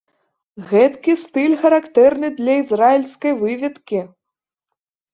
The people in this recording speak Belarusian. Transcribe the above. Гэткі стыль характэрны для ізраільскай выведкі.